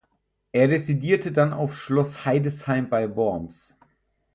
Er residierte dann auf Schloss Heidesheim bei Worms.